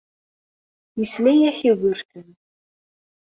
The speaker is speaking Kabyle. Yesla-ak Yugurten.